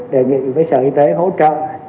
đề nghị với sở y tế hỗ trợ